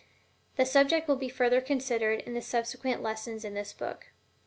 The subject will be further considered in the subsequent lessons in this book.